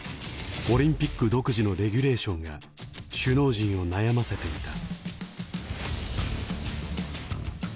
オリンピック独自のレギュレーションが首脳陣を悩ませていた。